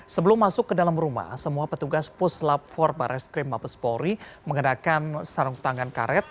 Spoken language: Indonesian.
sebelum masuk ke dalam rumah semua petugas puslap empat barreskrim mabes polri mengenakan sarung tangan karet